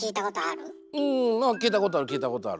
うんまあ聞いたことある聞いたことある。